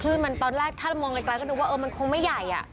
คลื่นมันตอนแรกถ้ามองไกลก็ดูว่ามันคงไม่ใหญ่